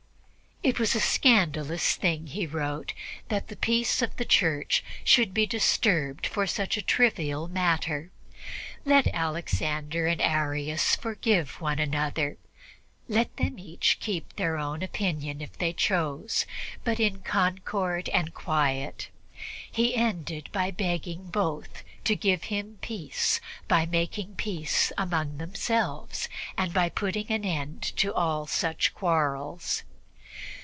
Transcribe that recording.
It was a scandalous thing, he wrote, that the peace of the Church should be disturbed for such a trivial matter. Let Alexander and Arius forgive one another; let them each keep their own opinion if they chose, but in concord and in quiet. He ended by begging both to give him peace by making peace among themselves and by putting an end to all such quarrels.